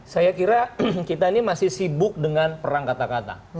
saya kira kita ini masih sibuk dengan perang kata kata